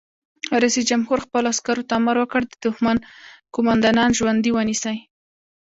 رئیس جمهور خپلو عسکرو ته امر وکړ؛ د دښمن قومندانان ژوندي ونیسئ!